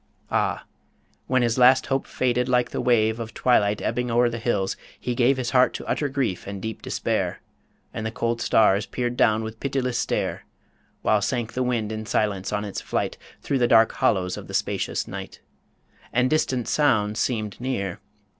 Ah! when his last hope faded like the wave Of twilight ebbing o'er the hills, he gave His heart to utter grief and deep despair; And the cold stars peer'd down with pitiless stare, While sank the wind in silence on its flight Through the dark hollows of the spacious night; And distant sounds seem'd near.